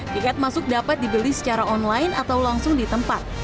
tiket masuk dapat dibeli secara online atau langsung di tempat